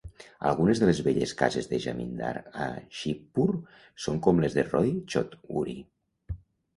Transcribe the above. Algunes de les velles cases de Jamindar a Shibpur són com les de Roy Choudhury.